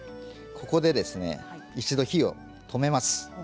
ここでいったん火を止めます。